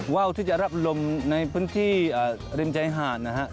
ว่าวที่จะรับลมในพื้นที่ริมชายหาดนะฮะ